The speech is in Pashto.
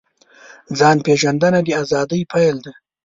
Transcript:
ځان پېژندنه د ازادۍ پیل دی.